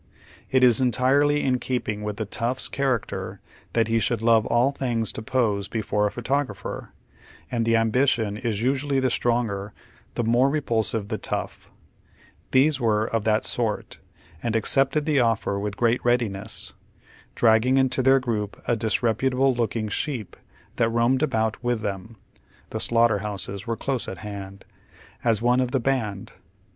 It is entirely in keeping with the tough's character that lie should love of all things to pose before a photographer, and the ambition is usually the stronger the more repulsive tiie tough, Tliese were of that sort, and accepted the offer with great readi ness, dragging into their gi onp a disi'eputable looking sheep that roamed about with them (the slaughter houses were close at hand) as one of the band.